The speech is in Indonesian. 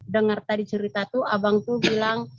dengar tadi cerita itu abang itu bilang